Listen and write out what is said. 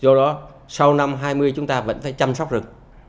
do đó sau năm hai nghìn hai mươi chúng ta vẫn phải chăm sóc rừng